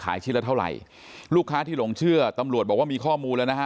ชิ้นละเท่าไหร่ลูกค้าที่หลงเชื่อตำรวจบอกว่ามีข้อมูลแล้วนะฮะ